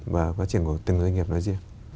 và phát triển của từng doanh nghiệp nói riêng